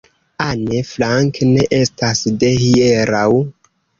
Anne Frank ne estas de hieraŭ.